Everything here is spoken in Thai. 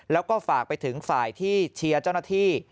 แล้วก็ฝากไปถึงฝ่ายที่เชียร์เจ้าหน้าที่